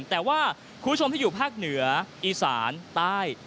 แต่ว่าคุณผู้ชมที่อยู่ภาคเหนืออีสานใต้